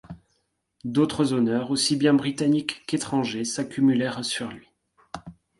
D'autres honneurs, aussi bien britanniques qu'étrangers, s'accumulèrent sur lui.